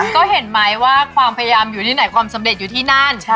ก็เห็นไหมว่าความพยายามอยู่ที่ไหนความสำเร็จอยู่ที่นั่น